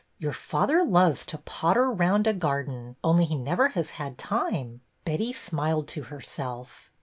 Your father loves to potter round a garden, only he never has had time." Betty smiled to herself.